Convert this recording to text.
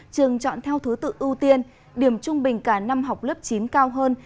trường chọn theo thứ tự ưu tiên điểm trung bình cả năm học lớp chín cao hơn